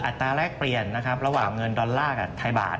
ตราแลกเปลี่ยนนะครับระหว่างเงินดอลลาร์กับไทยบาท